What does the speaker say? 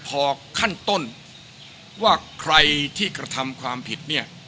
พอขั้นต้นว่าใครที่กระทำความผิดเนี่ย